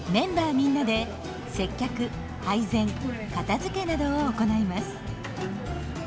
みんなで接客配膳片づけなどを行います。